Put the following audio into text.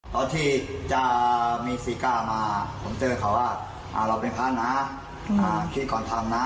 ตอนที่จะมีซีก้ามาผมเจอเขาว่าเราเป็นพระนะคิดก่อนทำนะ